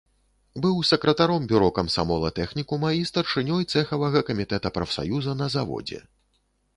Быў сакратаром бюро камсамола тэхнікума і старшынёй цэхавага камітэта прафсаюза на заводзе.